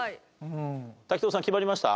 滝藤さん決まりました？